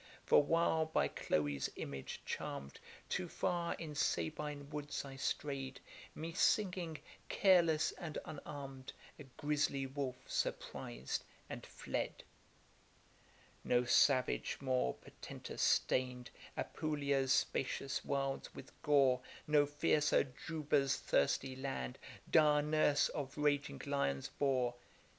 For while by Chloe's image charm'd, Too far in Sabine woods I stray'd; Me singing, careless and unarm'd, A grizly wolf surprised, and fled. No savage more portentous stain'd Apulia's spacious wilds with gore; No fiercer Juba's thirsty land, Dire nurse of raging lions, bore.